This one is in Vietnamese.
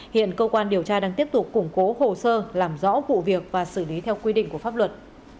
hiện cơ quan điều tra đang tiếp tục củng cố hồ sơ làm rõ vụ việc và xử lý theo quy định của pháp luật